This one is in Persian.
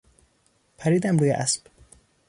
پریدم روی اسب.